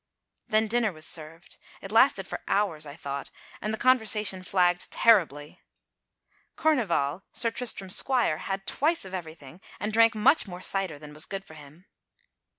Then dinner was served. It lasted for hours I thought, and the conversation flagged terribly. Kurneval, Sir Tristram's Squire, had twice of everything and drank much more cider than was good for him.